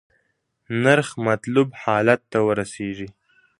نرخ مطلوب حالت ته ورسیږي.